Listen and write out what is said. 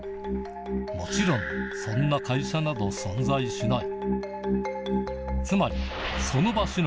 もちろんそんな会社など存在しない